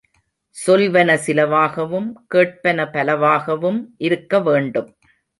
சொல்வன சிலவாகவும் கேட்பன பலவாகவும் இருக்கவேண்டும்.